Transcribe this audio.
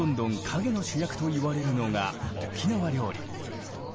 陰の主役といわれるのが沖縄料理。